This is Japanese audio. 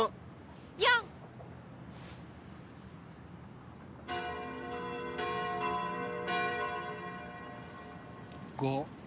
４！５。